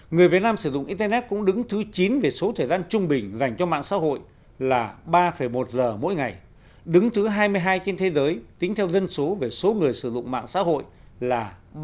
người việt nam sử dụng internet cũng đứng thứ chín về số thời gian trung bình dành cho mạng xã hội là ba một giờ mỗi ngày đứng thứ hai mươi hai trên thế giới tính theo dân số về số người sử dụng mạng xã hội là ba mươi